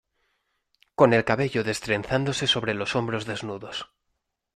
con el cabello destrenzándose sobre los hombros desnudos,